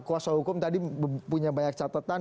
kuasa hukum tadi punya banyak catatan